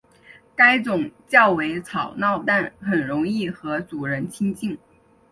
该种较为吵闹但很容易和主人亲近。